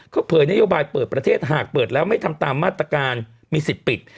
เขาเผยนโยบายเปิดประเทศหากเปิดแล้วไม่ทำตามมาตรการมีสิทธิ์ปิด